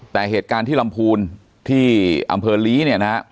แต่เหตุการณ์ที่ลำพูนที่อำเภอลีเนี่ยนะฮะ